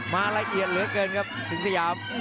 ละเอียดเหลือเกินครับสิงสยาม